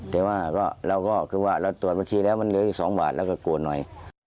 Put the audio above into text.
แต่ว่าเราก็คือว่าเราตรวจบัญชีแล้วมันเหลืออีก๒บาทแล้วก็โกรธหน่อย